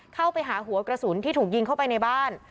เข้าไปหาหัวกระสุนที่ถูกยิงเข้าไปในบ้าน